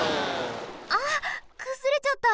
あっくずれちゃった！